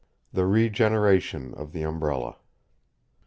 THE REGENERATION OF THE UMBRELLA.